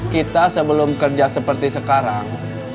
kita sebelum kerja seperti sekarang